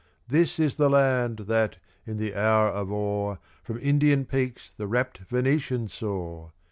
This is the land that, in the hour of awe, From Indian peaks the rapt Venetian saw!